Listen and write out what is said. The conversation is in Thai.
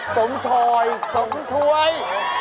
สงถวย